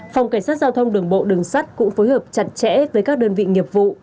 phòng cảnh sát giao thông đường bộ đường sắt cũng phối hợp chặt chẽ với các đơn vị nghiệp vụ